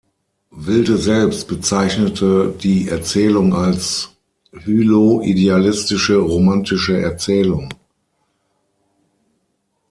Wilde selbst bezeichnete die Erzählung als „hylo-idealistische romantische Erzählung“.